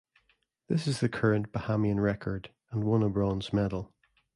This is the current Bahamian record and won a bronze medal.